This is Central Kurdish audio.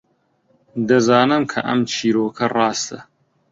دەزانم کە ئەم چیرۆکە ڕاستە.